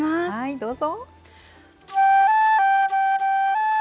どうぞ。